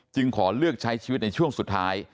ขอเลือกใช้ชีวิตในช่วงสุดท้าย